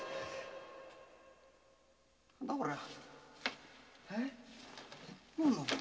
何だこりゃ？